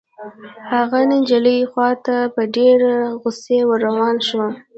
هغه د نجلۍ خوا ته په ډېرې غصې ور روان شو.